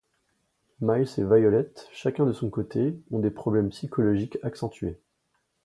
Miles et Violet, chacun de son côté, ont des problèmes psychologiques accentués.